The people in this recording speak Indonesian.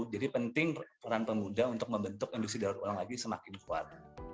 jadi penting peran pemuda untuk membentuk industri daur ulang lagi semakin kuat